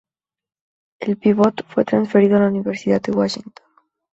El pivot fue transferido a la Universidad de Washington.